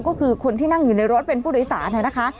ก็คือคนที่นั่งอยู่ในรถเป็นผู้โดยสารนะคะ